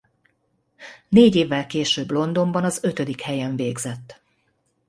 Négy évvel később Londonban az ötödik helyen végzett.